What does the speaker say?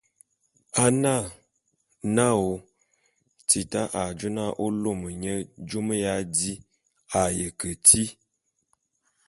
A na, naôô ! Tita a jô na ô lôme nye jôme ya di a ye keti.